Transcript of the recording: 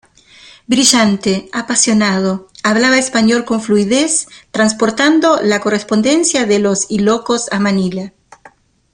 Brillante, apasionado, hablaba español con fluidez transportando la correspondencia de los Ilocos a Manila.